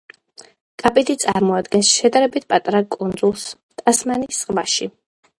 კაპიტი წარმოადგენს შედარებით პატარა კუნძულს ტასმანიის ზღვაში.